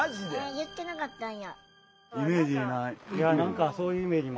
言ってなかったんや。